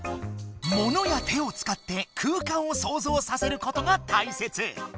モノや手を使って空間を想像させることがたいせつ！